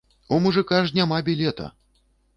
У мужыка ж няма білета!